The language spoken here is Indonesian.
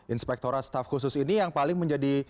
inspektorat staff khusus ini yang paling menjadi